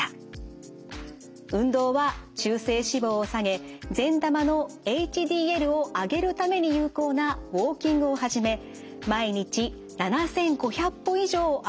運動は中性脂肪を下げ善玉のＨＤＬを上げるために有効なウォーキングを始め毎日７，５００歩以上歩くようにしました。